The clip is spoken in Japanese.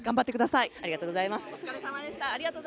ありがとうございます。